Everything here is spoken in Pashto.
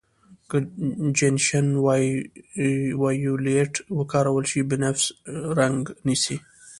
که جنشن وایولېټ وکارول شي بنفش رنګ نیسي.